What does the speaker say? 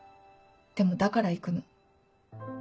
でもだから行くの。